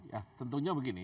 ya tentunya begini